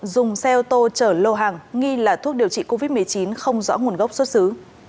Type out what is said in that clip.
dùng xe ô tô chở lô hàng nghi là thuốc điều trị covid một mươi chín không rõ nguồn gốc xuất xứ